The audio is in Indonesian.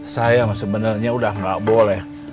sayang sebenarnya sudah tidak boleh